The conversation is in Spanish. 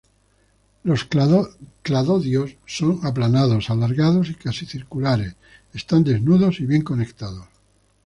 Los cladodios son aplanados, alargados y casi circulares están desnudos y bien conectados.